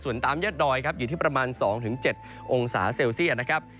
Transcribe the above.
ส่วนตามยอดดอยครับอยู่ที่ประมาณ๒๗องศาเซลเซียตนะครับ